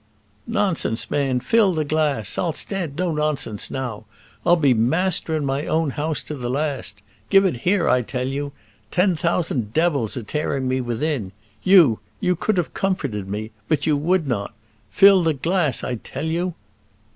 "Nonsense, man; fill the glass. I'll stand no nonsense now. I'll be master in my own house to the last. Give it here, I tell you. Ten thousand devils are tearing me within. You you could have comforted me; but you would not. Fill the glass I tell you."